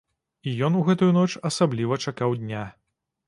І ён у гэтую ноч асабліва чакаў дня.